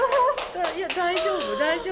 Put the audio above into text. いや大丈夫大丈夫。